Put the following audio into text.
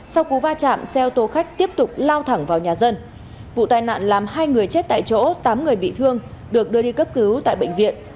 sau cú va chạm xe ô tô khách tiếp tục lao thẳng vào nhà dân vụ tai nạn làm hai người chết tại chỗ tám người bị thương được đưa đi cấp cứu tại bệnh viện